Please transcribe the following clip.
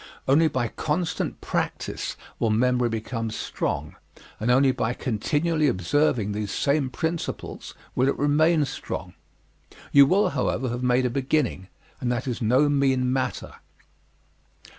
Only by constant practise will memory become strong and only by continually observing these same principles will it remain strong. You will, however, have made a beginning, and that is no mean matter.